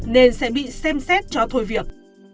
nên sẽ bị xem xét cho thôi việc